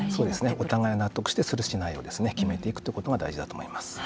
お互いが納得して、するしないを決めていくということが大事だと思います。